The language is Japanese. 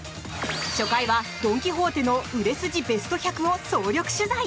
初回はドン・キホーテの売れ筋ベスト１００を総力取材。